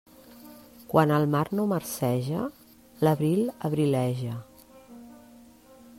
Quan el mar no marceja, l'abril abrileja.